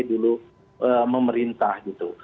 dulu memerintah gitu